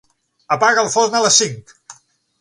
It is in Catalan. Apaga el forn a les cinc.